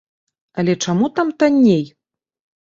Але чаму там танней?